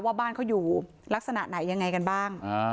ว่าบ้านเขาอยู่ลักษณะไหนยังไงกันบ้าง